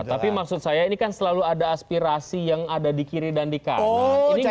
tapi maksud saya ini kan selalu ada aspirasi yang ada di kiri dan di kanan